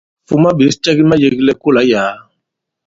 Fuma ɓěs cɛ ki mayēglɛ i kolà i yàa.